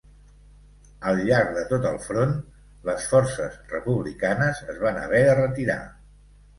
Al llarg de tot el front, les forces republicanes es van haver de retirar.